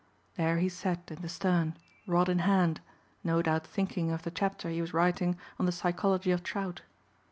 There he sat in the stern, rod in hand, no doubt thinking of the chapter he was writing on the "Psychology of Trout."